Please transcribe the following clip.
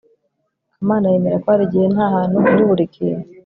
kamana yemera ko hari igihe nahantu kuri buri kintu